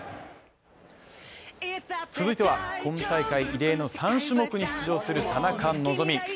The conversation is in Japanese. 続いては今大会異例の３種目に出場する田中希実。